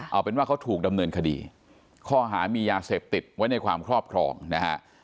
เอาเป็นว่าเขาถูกดำเนินคดีข้อหามียาเสพติดไว้ในความครอบครองนะฮะ